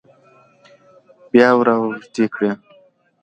بيا وراوږدې کړه